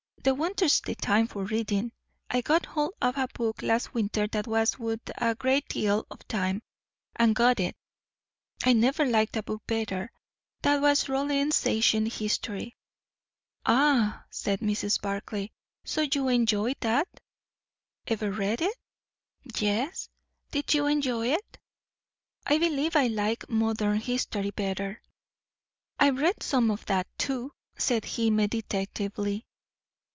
The winter's the time for readin'. I got hold o' a book last winter that was wuth a great deal o' time, and got it. I never liked a book better. That was Rollin's 'Ancient History.'" "Ah!" said Mrs. Barclay. "So you enjoyed that?" "Ever read it?" "Yes." "Didn't you enjoy it?" "I believe I like Modern history better." "I've read some o' that too," said he meditatively.